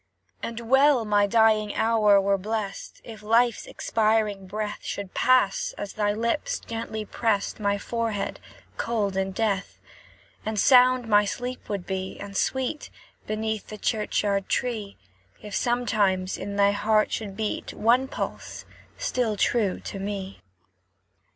And well my dying hour were blest, If life's expiring breath Should pass, as thy lips gently prest My forehead cold in death; And sound my sleep would be, and sweet, Beneath the churchyard tree, If sometimes in thy heart should beat One pulse, still true to me.